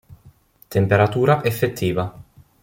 Temperatura effettiva